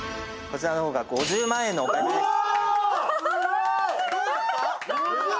こちらの方が５０万円のお買い取りです。